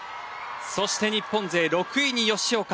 そして日本勢６位に吉岡。